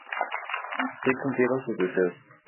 Así cumplieron sus deseos.